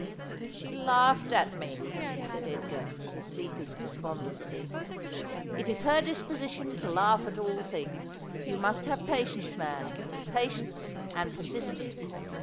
* She laughed at me,' said Edgar, with deepest despondency. ' It is her disposition to laugh at all things. You must have patience, man ; patience and persistence.